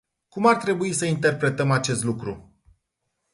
Cum ar trebui să interpretăm acest lucru?